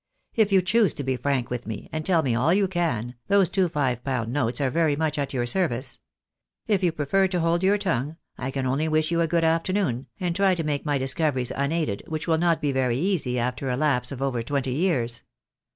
"If you choose to be frank with me, and tell me all you can, those two five pound notes are very much at your service. If you prefer to hold your tongue, I can only wish you good afternoon, and try to make my discoveries unaided, which will not be very easy after a lapse of over twenty years."